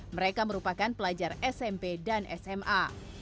mereka merupakan pelajar smp dan sma